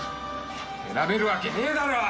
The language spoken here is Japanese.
選べるわけねえだろ！